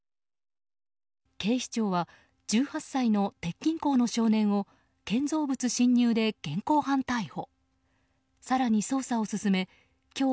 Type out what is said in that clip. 警視庁は１８歳の鉄筋工の少年を建造物侵入で現行犯逮捕。